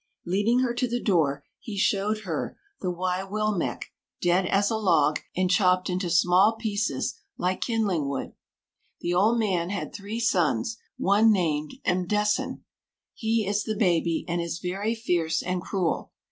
Leading her to the door, he showed her the Wī will mecq, dead as a log, and chopped into small bits like kindling wood. The old man had three sons, one named 'M'dessun.' He is the baby, and is very fierce and cruel.